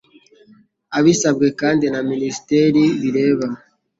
abisabwe kandi na Minisiteri bireba